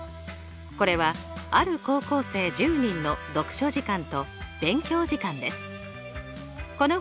これはある高校生１０人の読書時間と勉強時間です。